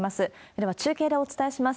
では、中継でお伝えします。